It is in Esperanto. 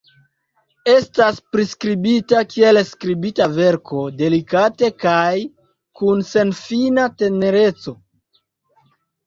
Estas priskribita kiel skribita verko delikate kaj kun senfina tenereco.